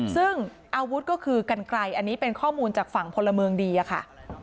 ซึ่งอาวุธก็คือกันไกลอันนี้เป็นข้อมูลจากฝั่งพลเมืองดีอะค่ะ